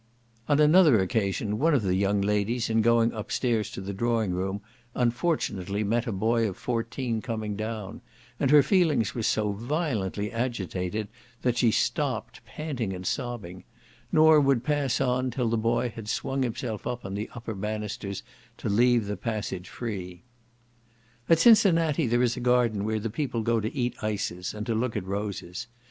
On another occasion, one of the young ladies in going up stairs to the drawing room, unfortunately met a boy of fourteen coming down, and her feelings were so violently agitated, that she stopped panting and sobbing, nor would pass on till the boy had swung himself up on the upper banisters, to leave the passage free. At Cincinnati there is a garden where the people go to eat ices, and to look at roses.